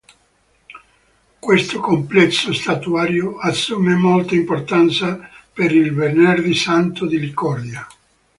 Questo complesso statuario assume molta importanza per il venerdì Santo di Licodia.